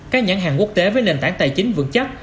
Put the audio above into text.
các nhãn hàng quốc tế với nền tảng tài chính vững chắc